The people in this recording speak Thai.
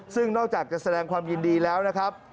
ซึ่งนอกจากจะแสดงความยินดีแล้วนะครับ